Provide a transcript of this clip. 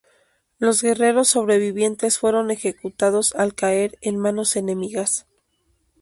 Los guerreros sobrevivientes fueron ejecutados al caer en manos enemigas.